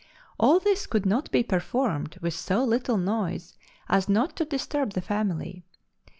All this could not be performed with so little noise as not to disturb the family.